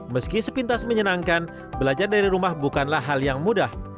meski sepintas menyenangkan belajar dari rumah bukanlah hal yang mudah